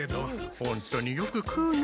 ホントによく食うな。